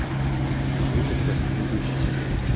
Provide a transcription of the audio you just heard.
На вулицях ні душі.